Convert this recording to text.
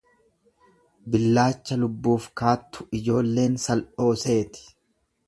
Billaacha lubbuuf kaattu ijoolleen sal'oo seeti.